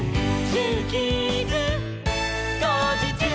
「ジューキーズこうじちゅう！」